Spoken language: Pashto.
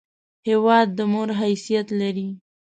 هېواد د مور حیثیت لري!